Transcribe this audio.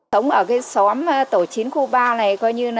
sống ở cái xóm tổ chính khu ba này